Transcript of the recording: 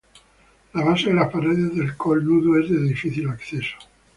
La base de las paredes del Col Nudo es de difícil acceso.